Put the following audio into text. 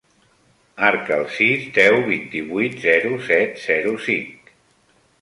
Marca el sis, deu, vint-i-vuit, zero, set, zero, cinc.